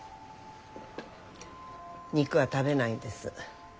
肉は食べないんです。